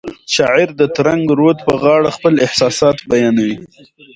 شاعر د ترنګ رود په غاړه خپل احساسات بیانوي.